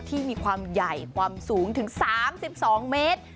ที่มีความใหญ่ความสูงถึง๓๒เมตร